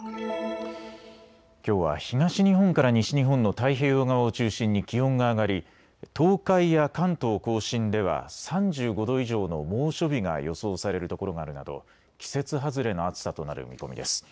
きょうは東日本から西日本の太平洋側を中心に気温が上がり東海や関東甲信では３５度以上の猛暑日が予想されるところがあるなど季節外れの暑さとなる見込みです。